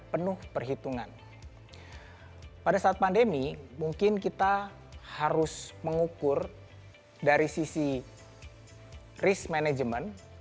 penuh perhitungan pada saat pandemi mungkin kita harus mengukur dari sisi risk management